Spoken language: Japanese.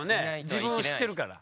自分を知ってるから。